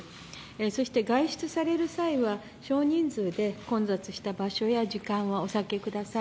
そして外出される際は少人数で混雑した場所や時間はお避けください。